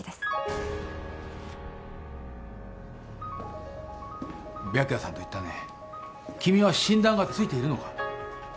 ・白夜さんといったね。君は診断がついているのか？